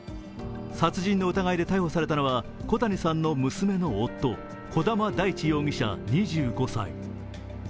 殺人の疑いで逮捕されたのは小谷さんの娘の夫児玉大地容疑者２５歳。